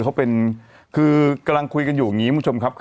ก็เป็นก็กำลังคุยอยู่อย่างนี้มุมชมครับ